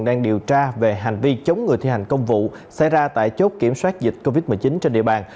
đang điều tra về hành vi chống người thi hành công vụ xảy ra tại chốt kiểm soát dịch covid một mươi chín trên địa bàn